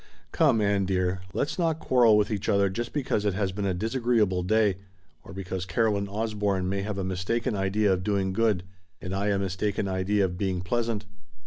"Come, Ann dear, let's not quarrel with each other just because it has been a disagreeable day, or because Caroline Osborne may have a mistaken idea of doing good and I a mistaken idea of being pleasant.